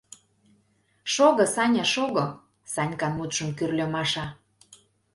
— Шого, Саня, шого, — Санькан мутшым кӱрльӧ Маша